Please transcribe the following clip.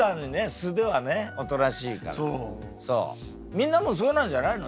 みんなもそうなんじゃないの？